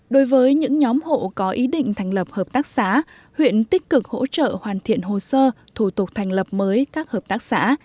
đối với những nhóm hộ có ý định thành lập hợp tác xã huyện tích cực hỗ trợ hoàn thiện hồ sơ thủ tục thành lập mới các hợp tác xã